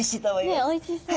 ねっおいしそう。